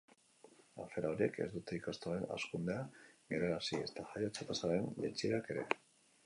Afera horiek ez dute ikastolen hazkundea gerarazi, ezta jaiotza tasaren jaitsierak ere.